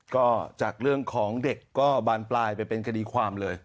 ก็จากเรื่องของเด็กก็บานปลายไปเป็นคดีความเลย